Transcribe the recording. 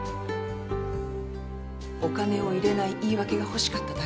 お金を入れない言い訳が欲しかっただけなの。